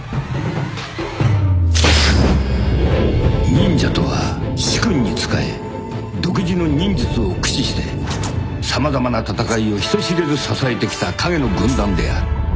［忍者とは主君に仕え独自の忍術を駆使して様々な戦いを人知れず支えてきた影の軍団である］